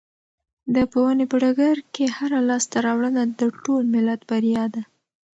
د پوهنې په ډګر کې هره لاسته راوړنه د ټول ملت بریا ده.